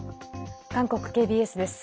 韓国ＫＢＳです。